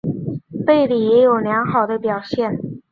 贝里也有良好的表现。